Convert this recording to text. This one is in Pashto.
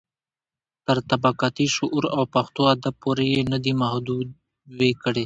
تر طبقاتي شعور او پښتو ادب پورې يې نه دي محدوې کړي.